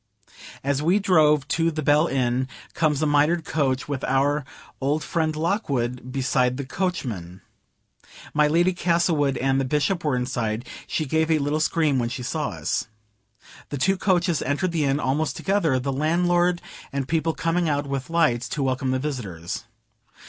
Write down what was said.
As we drove to the "Bell" Inn comes a mitred coach with our old friend Lockwood beside the coachman. My Lady Castlewood and the Bishop were inside; she gave a little scream when she saw us. The two coaches entered the inn almost together; the landlord and people coming out with lights to welcome the visitors.